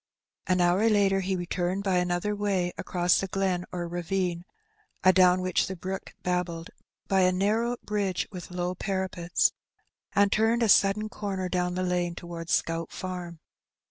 An hour later he returned by another way across the glen or ravine (adown which the brook babbled) by a narrow bridge with low parapets, and turned a sudden comer down the lane towards Scout Farm.